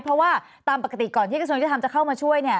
เพราะว่าตามปกติก่อนที่กระทรวงยุทธรรมจะเข้ามาช่วยเนี่ย